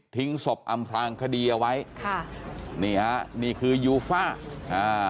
ศพอำพลางคดีเอาไว้ค่ะนี่ฮะนี่คือยูฟ่าอ่า